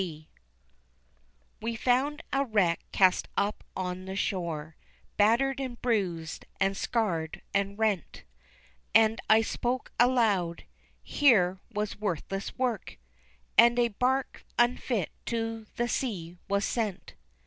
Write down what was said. WE found a wreck cast up on the shore, Battered and bruised, and scarred and rent, And I spoke aloud, "Here was worthless work, And a barque unfit to the sea was sent."